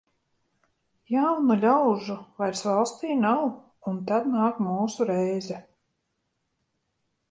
Jaunu ļaužu vairs valstī nav, un tad nāk mūsu reize.